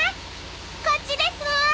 こっちですわ！